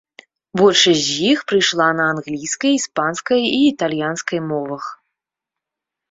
Большасць з іх прыйшла на англійскай, іспанскай і італьянскай мовах.